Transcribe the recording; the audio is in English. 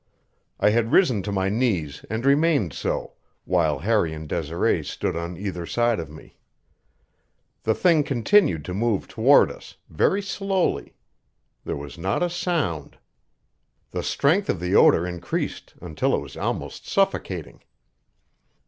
I had risen to my knees and remained so, while Harry and Desiree stood on either side of me. The thing continued to move toward us, very slowly. There was not a sound. The strength of the odor increased until it was almost suffocating.